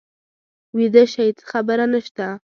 ویده شئ څه خبره نه شته.